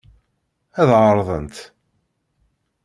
Ad ɛerḍent.